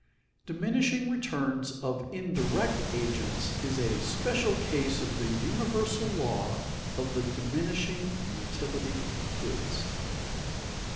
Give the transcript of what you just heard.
_Diminishing returns of indirect agents is a special case of the universal law of the diminishing utility of goods.